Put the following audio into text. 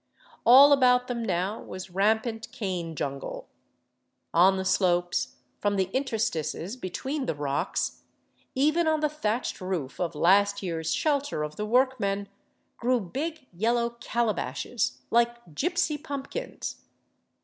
All about them now was ram pant cane jungle. On the slopes, from the interstices between the rocks, even on the thatched roof of last year's shelter of the workmen, 4/2 A FORGOTTEN CITY OF THE ANDES grew big yellow calabashes, like gypsy pumpkins.